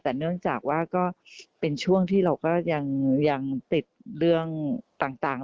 แต่เนื่องจากว่าก็เป็นช่วงที่เราก็ยังติดเรื่องต่าง